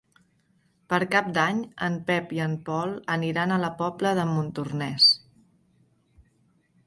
Per Cap d'Any en Pep i en Pol aniran a la Pobla de Montornès.